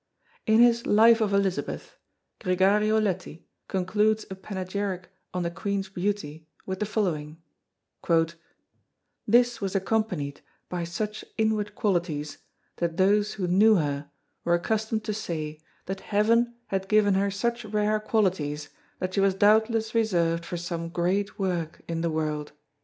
In his Life of Elizabeth, Gregario Leti concludes a panegyric on the Queen's beauty with the following: "This was accompanied by such inward qualities that those who knew her were accustomed to say that heaven had given her such rare qualities that she was doubtless reserved for some great work in the world."